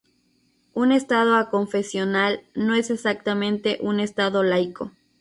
Un Estado aconfesional no es exactamente un Estado laico.